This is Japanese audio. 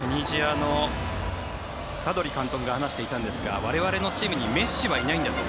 チュニジアのカドリ監督が話していたんですが我々のチームにメッシはいないんだと。